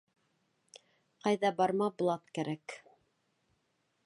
Ҡайҙа барма блат кәрәк!